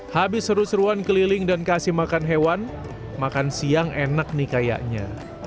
habis seru seruan keliling dan kasih makan hewan makan siang enak nih kayaknya